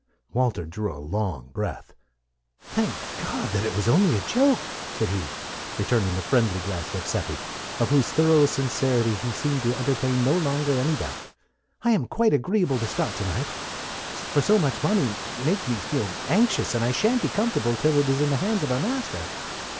Walter drew a long breath. "Thank God that it was only a joke!" said he, returning the friendly grasp of Seppi, of whose thorough sincerity he seemed to entertain no longer any doubt. "I am quite agreeable to start to night, for so much money makes me feel anxious, and I sha'n't be comfortable till it is in the hands of our master."